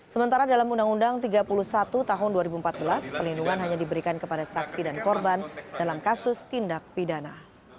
sementara dalam undang undang tiga puluh satu tahun dua ribu empat belas pelindungan hanya diberikan kepada saksi dan korban dalam kasus tindak pidana